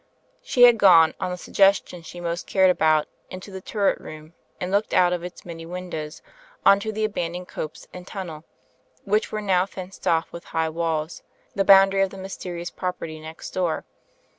She had gone, on the sug gestion she 'post cared about, into the turret room and looked out of its many windows on to the abandoned copse and unnel, which were now fenced off with high walls, the boundary of the mysterious property next door.